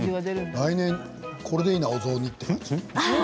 毎年これでいいな、お雑煮。